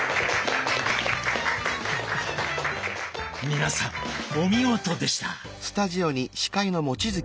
皆さんお見事でした！